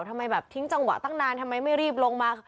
ทำไมแบบทิ้งจังหวะตั้งนานทำไมไม่รีบลงมา